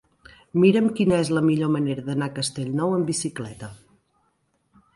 Mira'm quina és la millor manera d'anar a Castellnou amb bicicleta.